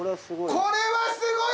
これはすごい！！